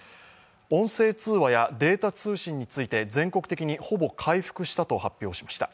音声通話やデータ通信について、全国的にほぼ回復したと発表しました。